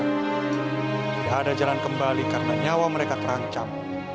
tidak ada jalan kembali karena nyawa mereka terancam